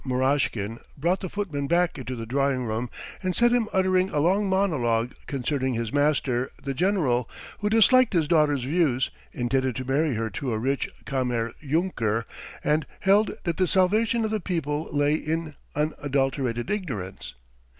Murashkin brought the footman back into the drawing room and set him uttering a long monologue concerning his master, the General, who disliked his daughter's views, intended to marry her to a rich kammer junker, and held that the salvation of the people lay in unadulterated ignorance.